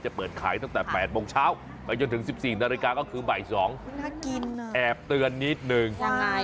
จะเปิดขายตั้งแต่๘โมงเช้าไปจนถึง๑๔นาฬิกาก็คือบ่าย๒แอบเตือนนิดนึง